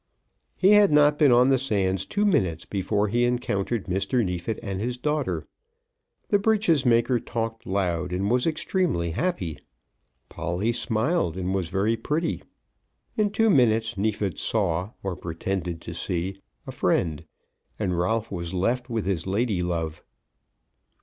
He had not been on the sands two minutes before he encountered Mr. Neefit and his daughter. The breeches maker talked loud, and was extremely happy. Polly smiled, and was very pretty. In two minutes Neefit saw, or pretended to see, a friend, and Ralph was left with his lady love.